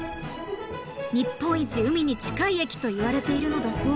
日本一海に近い駅と言われているのだそう。